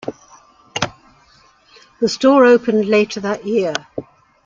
The store opened later that year.